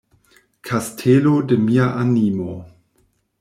Kastelo de mia animo.